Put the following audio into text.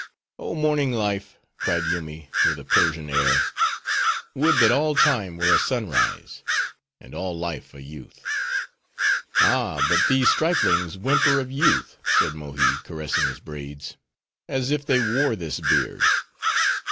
"Oh, morning life!" cried Yoomy, with a Persian air; "would that all time were a sunrise, and all life a youth." "Ah! but these striplings whimper of youth," said Mohi, caressing his braids, "as if they wore this beard."